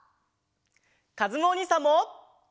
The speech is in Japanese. かずむおにいさんも！